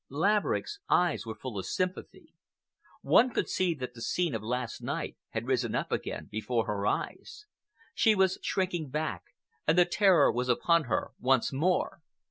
Laverick's eyes were full of sympathy. One could see that the scene of last night had risen up again before her eyes. She was shrinking back, and the terror was upon her once more.